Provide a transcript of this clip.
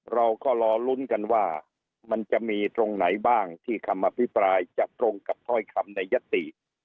เราก็รอลุ้นกันว่ามันจะมีตรงไหนบ้างที่คำอภิปรายจะตรงกับถ้อยคำในยติ